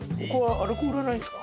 アルコールはないんですか？